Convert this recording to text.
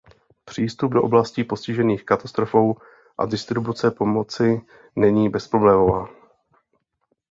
Přístup do oblastí postižených katastrofou a distribuce pomoci není bezproblémová.